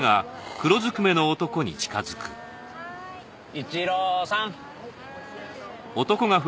一郎さん。